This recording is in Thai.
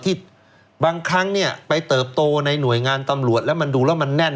ที่บางครั้งเนี่ยไปเติบโตในหน่วยงานตำรวจแล้วมันดูแล้วมันแน่น